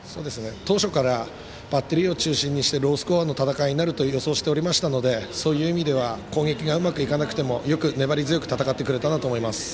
当初からバッテリーを中心にしてロースコアの戦いになると予想しておりましたのでそういう意味では攻撃がうまくいかなくてもよく粘り強く戦ってくれたなと思います。